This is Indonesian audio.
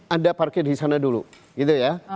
anda parkir di sana dulu gitu ya